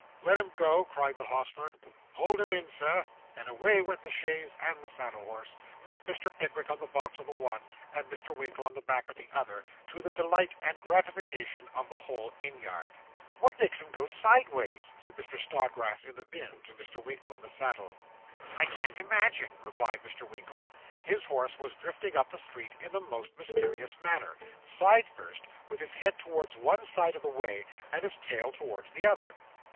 'Let 'em go,' cried the hostler. 'Hold him in, sir;' and away went the chaise, and the saddle horse, with Mr. Pickwick on the box of the one, and Mr. Winkle on the back of the other, to the delight and gratification of the whole inn yard. 'What makes him go sideways?' said Mr. Snodgrass in the bin, to Mr. Winkle in the saddle. 'I can't imagine,' replied Mr. Winkle. His horse was drifting up the street in the most mysterious manner side first, with his head towards one side of the way, and his tail towards the other.